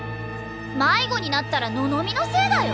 迷子になったらののみのせいだよ。